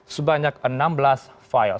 sebanyak enam belas file